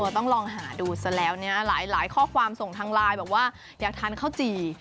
ต้องลองหาดูซะแล้วเนี่ยหลายข้อความส่งทางไลน์บอกว่าอยากทานข้าวจี่